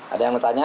ada yang bertanya